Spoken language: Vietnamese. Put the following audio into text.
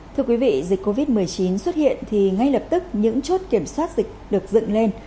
thưa quý vị dịch covid một mươi chín xuất hiện thì ngay lập tức những chốt kiểm soát dịch được dựng lên